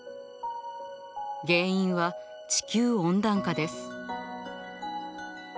原因は地球温暖化です。